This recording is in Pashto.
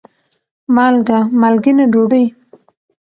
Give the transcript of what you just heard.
مالګه : مالګېنه ډوډۍ